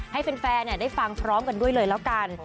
ให้แฟนได้ฟังพร้อมกันด้วยเลยแล้วกัน